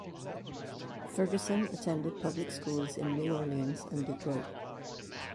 Ferguson attended public schools in New Orleans and Detroit.